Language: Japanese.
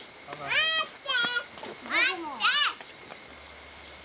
待って！